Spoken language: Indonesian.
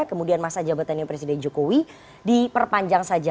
kemudian masa jabatannya presiden jokowi diperpanjang saja